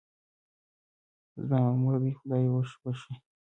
زما مور دې خدای وبښئ